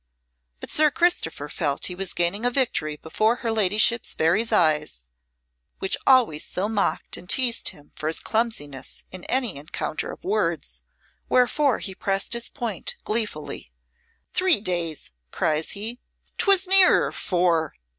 But Sir Christopher felt he was gaining a victory before her ladyship's very eyes, which always so mocked and teased him for his clumsiness in any encounter of words, wherefore he pressed his point gleefully. "Three days!" cries he. "'Twas nearer four."